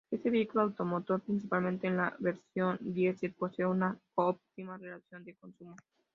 Este vehículo automotor, principalmente en la versión diesel, posee una óptima relación de consumo.